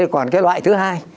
còn cái loại thứ hai